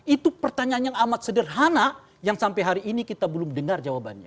itu pertanyaan yang amat sederhana yang sampai hari ini kita belum dengar jawabannya